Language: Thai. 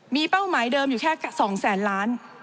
มีเป้าหมายเดิมอยู่แค่๒แสนล้าน